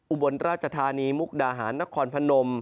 อุบลราชธานีมุกดาหารนครพนม